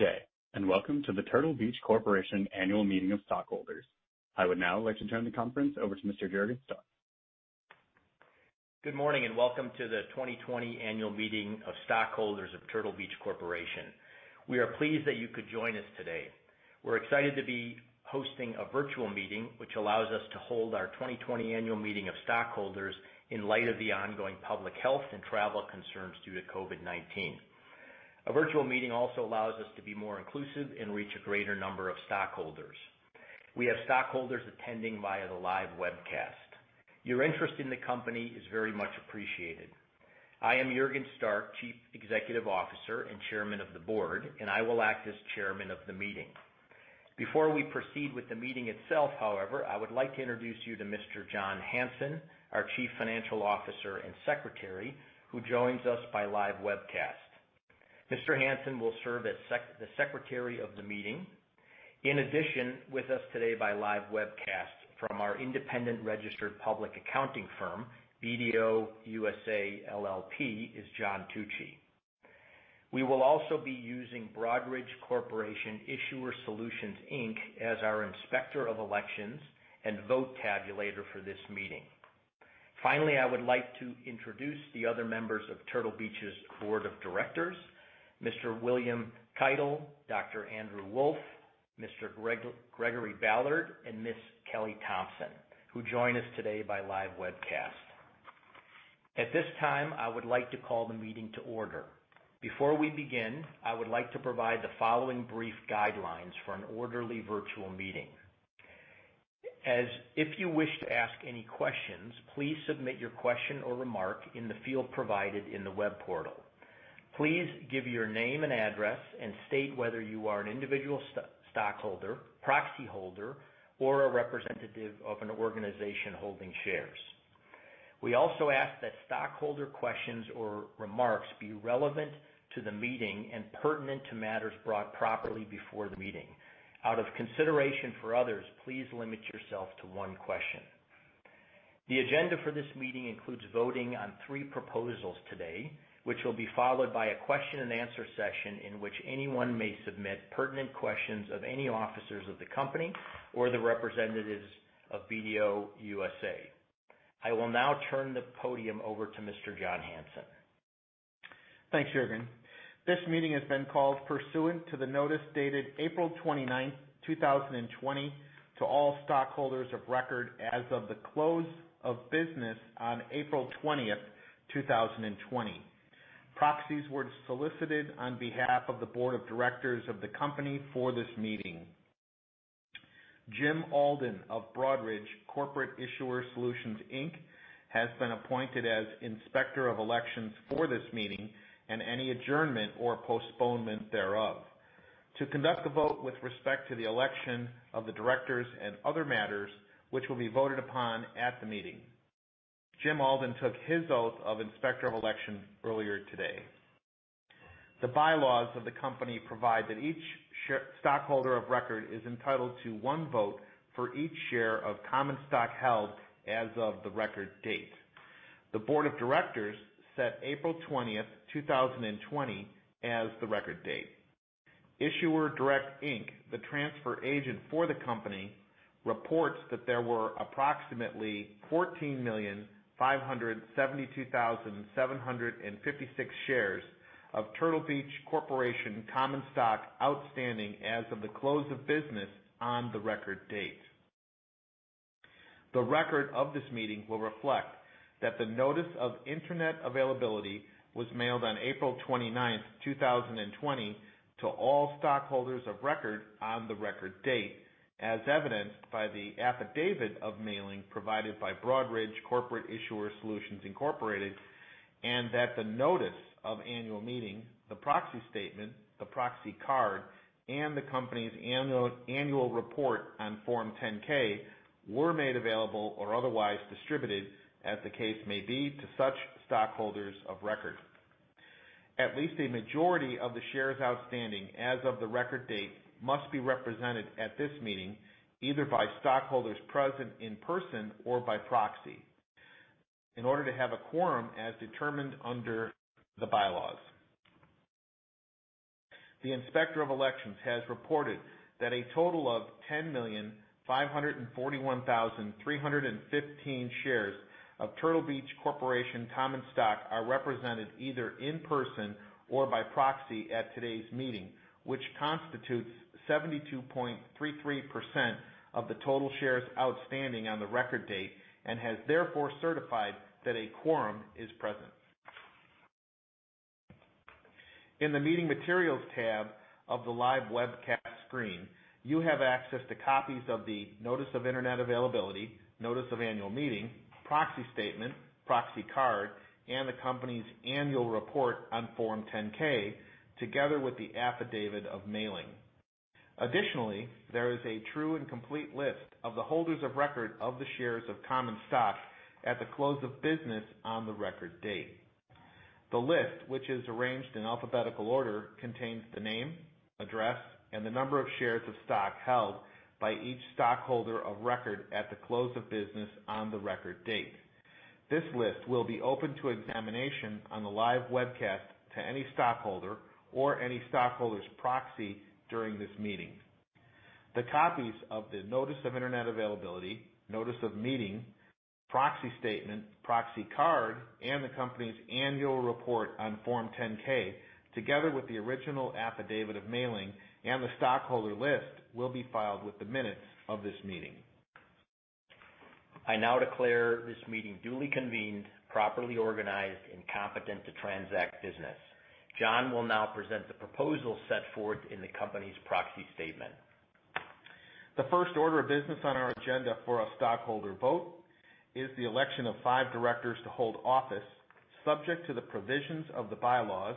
Today and welcome to the Turtle Beach Corporation Annual Meeting of Stockholders. I would now like to turn the conference over to Mr. Juergen Stark. Good morning and welcome to the 2020 Annual Meeting of Stockholders of Turtle Beach Corporation. We are pleased that you could join us today. We're excited to be hosting a virtual meeting which allows us to hold our 2020 Annual Meeting of Stockholders in light of the ongoing public health and travel concerns due to COVID-19. A virtual meeting also allows us to be more inclusive and reach a greater number of stockholders. We have stockholders attending via the live webcast. Your interest in the company is very much appreciated. I am Juergen Stark, Chief Executive Officer and Chairman of the Board, and I will act as Chairman of the meeting. Before we proceed with the meeting itself, however, I would like to introduce you to Mr. John Hanson, our Chief Financial Officer and Secretary, who joins us by live webcast. Mr. Hanson will serve as the Secretary of the meeting. In addition, with us today by live webcast from our independent registered public accounting firm, BDO USA, LLP, is John Tucci. We will also be using Broadridge Corporate Issuer Solutions, Inc. as our Inspector of Elections and Vote Tabulator for this meeting. Finally, I would like to introduce the other members of Turtle Beach's Board of Directors: Mr. William Keitel, Dr. Andrew Wolfe, Mr. Gregory Ballard, and Ms. Kelly Thompson, who join us today by live webcast. At this time, I would like to call the meeting to order. Before we begin, I would like to provide the following brief guidelines for an orderly virtual meeting. If you wish to ask any questions, please submit your question or remark in the field provided in the web portal. Please give your name and address and state whether you are an individual stockholder, proxy holder, or a representative of an organization holding shares. We also ask that stockholder questions or remarks be relevant to the meeting and pertinent to matters brought properly before the meeting. Out of consideration for others, please limit yourself to one question. The agenda for this meeting includes voting on three proposals today, which will be followed by a question-and-answer session in which anyone may submit pertinent questions of any officers of the company or the representatives of BDO USA. I will now turn the podium over to Mr. John Hanson. Thanks, Juergen. This meeting has been called pursuant to the notice dated April 29, 2020, to all stockholders of record as of the close of business on April 20, 2020. Proxies were solicited on behalf of the Board of Directors of the company for this meeting. Jim Alden of Broadridge Corporate Issuer Solutions, Inc. has been appointed as Inspector of Elections for this meeting and any adjournment or postponement thereof. To conduct the vote with respect to the election of the directors and other matters which will be voted upon at the meeting, Jim Alden took his oath of Inspector of Election earlier today. The bylaws of the company provide that each stockholder of record is entitled to one vote for each share of common stock held as of the record date. The Board of Directors set April 20, 2020, as the record date. Issuer Direct Inc., the transfer agent for the company, reports that there were approximately 14,572,756 shares of Turtle Beach Corporation common stock outstanding as of the close of business on the record date. The record of this meeting will reflect that the notice of internet availability was mailed on April 29, 2020, to all stockholders of record on the record date, as evidenced by the affidavit of mailing provided by Broadridge Corporate Issuer Solutions, Inc., and that the notice of annual meeting, the proxy statement, the proxy card, and the company's annual report on Form 10-K were made available or otherwise distributed, as the case may be, to such stockholders of record. At least a majority of the shares outstanding as of the record date must be represented at this meeting either by stockholders present in person or by proxy in order to have a quorum as determined under the bylaws. The Inspector of Elections has reported that a total of 10,541,315 shares of Turtle Beach Corporation common stock are represented either in person or by proxy at today's meeting, which constitutes 72.33% of the total shares outstanding on the record date and has therefore certified that a quorum is present. In the meeting materials tab of the live webcast screen, you have access to copies of the notice of internet availability, notice of annual meeting, proxy statement, proxy card, and the company's annual report on Form 10-K together with the affidavit of mailing. Additionally, there is a true and complete list of the holders of record of the shares of common stock at the close of business on the record date. The list, which is arranged in alphabetical order, contains the name, address, and the number of shares of stock held by each stockholder of record at the close of business on the record date. This list will be open to examination on the live webcast to any stockholder or any stockholder's proxy during this meeting. The copies of the notice of internet availability, notice of meeting, proxy statement, proxy card, and the company's annual report on Form 10-K together with the original affidavit of mailing and the stockholder list will be filed with the minutes of this meeting. I now declare this meeting duly convened, properly organized, and competent to transact business. John will now present the proposal set forth in the company's proxy statement. The first order of business on our agenda for a stockholder vote is the election of five directors to hold office, subject to the provisions of the Bylaws,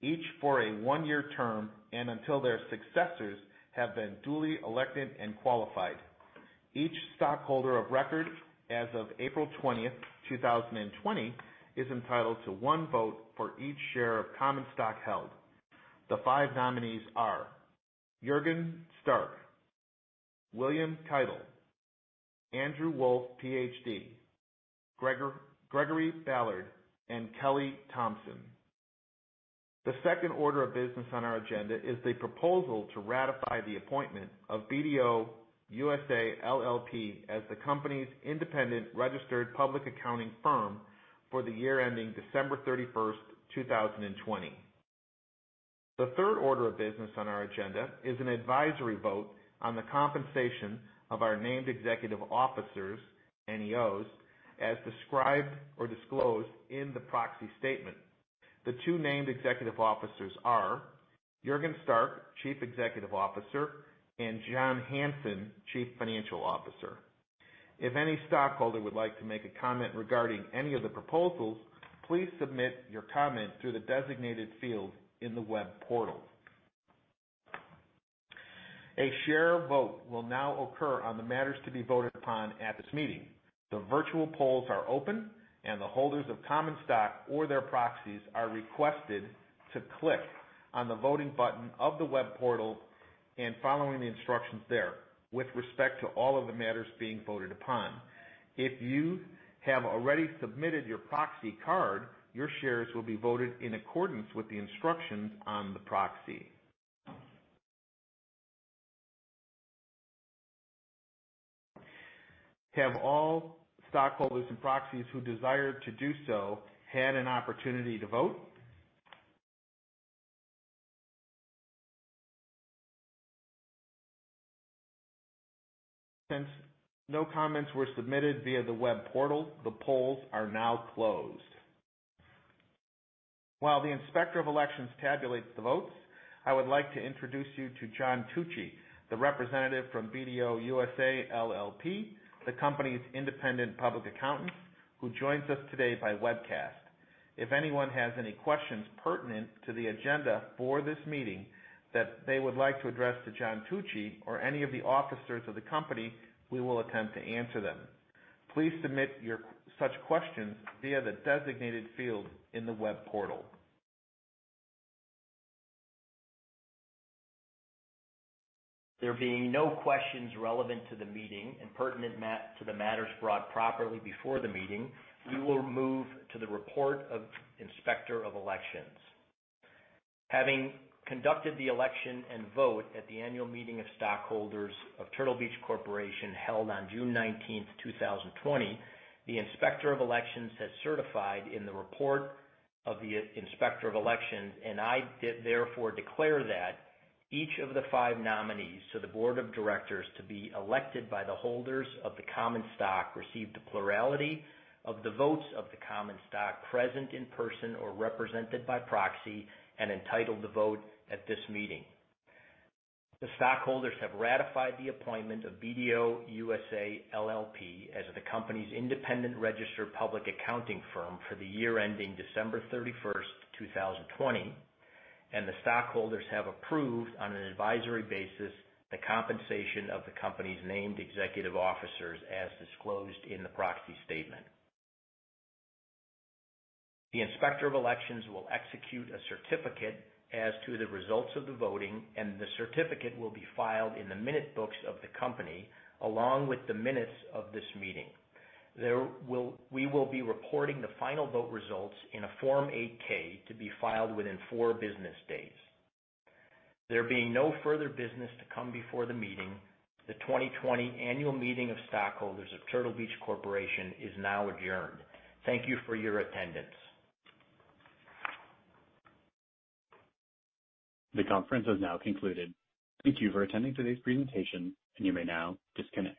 each for a one-year term and until their successors have been duly elected and qualified. Each stockholder of record as of April 20, 2020, is entitled to one vote for each share of common stock held. The five nominees are Juergen Stark, William Keitel, Andrew Wolfe, Ph.D., Gregory Ballard, and Kelly Thompson. The second order of business on our agenda is the proposal to ratify the appointment of BDO USA, LLP as the company's independent registered public accounting firm for the year ending December 31, 2020. The third order of business on our agenda is an advisory vote on the compensation of our named executive officers, NEOs, as described or disclosed in the Proxy Statement. The two named executive officers are Juergen Stark, Chief Executive Officer, and John Hanson, Chief Financial Officer. If any stockholder would like to make a comment regarding any of the proposals, please submit your comment through the designated field in the web portal. A share vote will now occur on the matters to be voted upon at this meeting. The virtual polls are open, and the holders of common stock or their proxies are requested to click on the voting button of the web portal and following the instructions there with respect to all of the matters being voted upon. If you have already submitted your proxy card, your shares will be voted in accordance with the instructions on the proxy. Have all stockholders and proxies who desire to do so had an opportunity to vote? Since no comments were submitted via the web portal, the polls are now closed. While the Inspector of Elections tabulates the votes, I would like to introduce you to John Tucci, the representative from BDO USA, LLP, the company's independent public accountant, who joins us today by webcast. If anyone has any questions pertinent to the agenda for this meeting that they would like to address to John Tucci or any of the officers of the company, we will attempt to answer them. Please submit such questions via the designated field in the web portal. There being no questions relevant to the meeting and pertinent to the matters brought properly before the meeting, we will move to the report of Inspector of Elections. Having conducted the election and vote at the annual meeting of stockholders of Turtle Beach Corporation held on June 19, 2020, the Inspector of Elections has certified in the report of the Inspector of Elections, and I therefore declare that each of the five nominees to the Board of Directors to be elected by the holders of the common stock received the plurality of the votes of the common stock present in person or represented by proxy and entitled to vote at this meeting. The stockholders have ratified the appointment of BDO USA, LLP as the company's independent registered public accounting firm for the year ending December 31, 2020, and the stockholders have approved on an advisory basis the compensation of the company's named executive officers as disclosed in the proxy statement. The Inspector of Elections will execute a certificate as to the results of the voting, and the certificate will be filed in the minute books of the company along with the minutes of this meeting. We will be reporting the final vote results in a Form 8-K to be filed within four business days. There being no further business to come before the meeting, the 2020 Annual Meeting of Stockholders of Turtle Beach Corporation is now adjourned. Thank you for your attendance. The conference has now concluded. Thank you for attending today's presentation, and you may now disconnect.